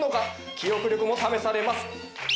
記憶力も試されます。